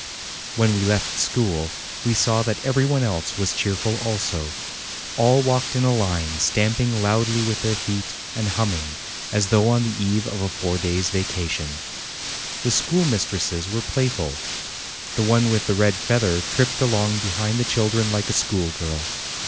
When we left school, we saw that every one else was cheerful also. All walked in a line, stamping loudly with their feet, and humming, as though on the eve of a four days' vacation, The schoolmistresses were playful; the one with the red feather tripped along behind the children like a schoolgirl.